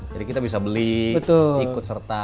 jadi kita bisa beli ikut serta